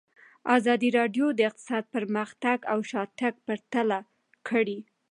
ازادي راډیو د اقتصاد پرمختګ او شاتګ پرتله کړی.